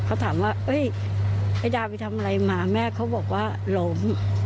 เขาถามว่าไอ้ดาไปทำอะไรมาแม่เขาบอกว่าล้ม